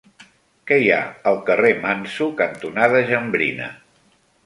Què hi ha al carrer Manso cantonada Jambrina?